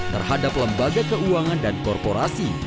terhadap lembaga keuangan dan korporasi